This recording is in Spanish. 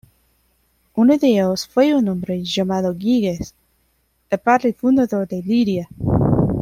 Uno de ellos fue un hombre llamado Giges, el padre fundador de Lidia.